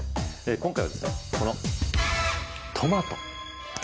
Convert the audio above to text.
今回はこのトマト。